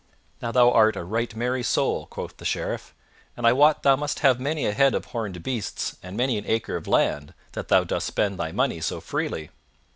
"Now thou art a right merry soul," quoth the Sheriff, "and I wot thou must have many a head of horned beasts and many an acre of land, that thou dost spend thy money so freely."